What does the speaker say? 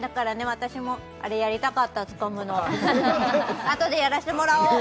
私もあれやりたかったつかむのあとでやらせてもらおう！